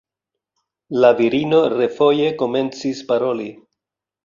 La virino refoje komencis paroli.